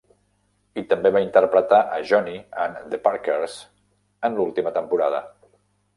I també va interpretar a "Johnnie" en "The Parkers" en l'última temporada.